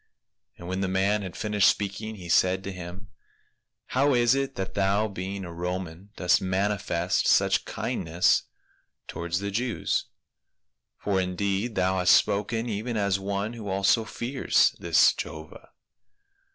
And when the man had finished speaking he said to him, " How is it that thou being a Roman dost manifest such kindness towards the Jews ? for indeed thou hast spoken even as one who also fears this Jehovah."